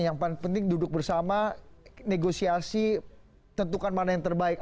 yang paling penting duduk bersama negosiasi tentukan mana yang terbaik